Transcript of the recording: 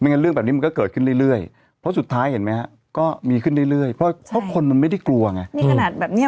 งั้นเรื่องแบบนี้มันก็เกิดขึ้นเรื่อยเพราะสุดท้ายเห็นไหมฮะก็มีขึ้นเรื่อยเพราะคนมันไม่ได้กลัวไงมีขนาดแบบเนี้ย